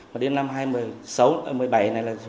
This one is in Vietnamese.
và đến năm hai nghìn một mươi sáu hai nghìn một mươi bảy này là bốn